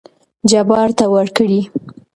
جبار ته ورکړې.